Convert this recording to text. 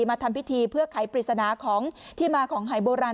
มาทำพิธีเพื่อขายปฏิสนาที่มาของหายโบราณ